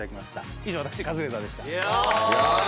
以上私カズレーザーでした。